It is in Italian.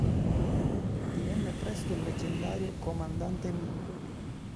Divenne presto il leggendario "comandante Mingo".